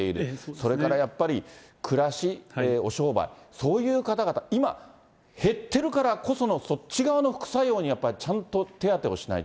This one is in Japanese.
それからやっぱり、暮らし、お商売、そういう方々、今、減ってるからこその、そっち側の副作用にやっぱりちゃんと手当をしないと。